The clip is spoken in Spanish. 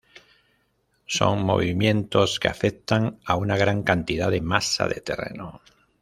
Son movimientos que afectan a una gran cantidad de masa de terreno.